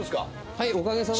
はいおかげさまで。